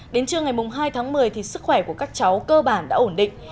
đến trưa ngày hai tháng một mươi sức khỏe của các cháu cơ bản đã ổn định